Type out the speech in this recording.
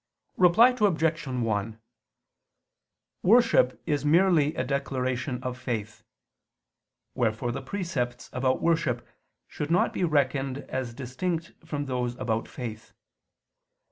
Reply Obj. 1: Worship is merely a declaration of faith: wherefore the precepts about worship should not be reckoned as distinct from those about faith.